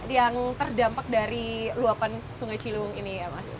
yang terdampak dari luapan sungai ciliwung ini ya mas